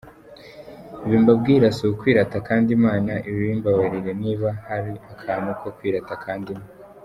Ibi mbabwira si ukwirata kandi Imana ibimbababarire niba hari akantu ko kwirata kandimo.